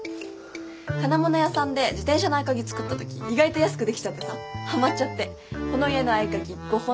金物屋さんで自転車の合鍵作ったとき意外と安くできちゃってさハマっちゃってこの家の合鍵５本作っちゃった。